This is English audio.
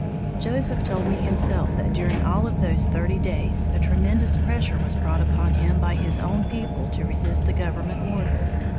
Joseph told me himself that during all of those thirty days a tremendous pressure was brought upon him by his own people to resist the government order.